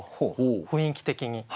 雰囲気的に。